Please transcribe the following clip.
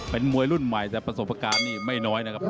เป็นมวยรุ่นใหม่แต่ประสบการณ์นี่ไม่น้อยนะครับ